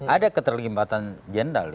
ada keterlibatan jenderal